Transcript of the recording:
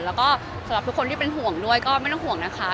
แล้วก็สำหรับทุกคนที่เป็นห่วงด้วยก็ไม่ต้องห่วงนะคะ